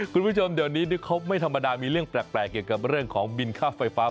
คุณผู้ชมเดี๋ยวนี้เขาไม่ธรรมดามีเรื่องแปลกเกี่ยวกับเรื่องของบินค่าไฟฟ้า